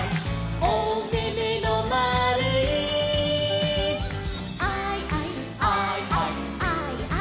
「おめめのまるい」「アイアイ」「」「アイアイ」「」